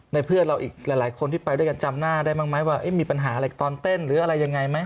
เพื่อนเราอีกหลายคนที่ไปด้วยกันจำหน้าได้บ้างไหมว่ามีปัญหาอะไรตอนเต้นหรืออะไรยังไงไหม